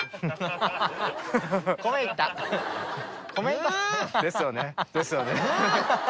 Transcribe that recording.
ん！ですよねですよね。